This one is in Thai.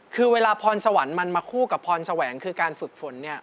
คือเวลาพรสวรรค์มันมาคู่กับพรแสวงคือการฝึกฝนเนี่ย